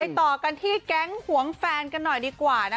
ต่อกันที่แก๊งหวงแฟนกันหน่อยดีกว่านะคะ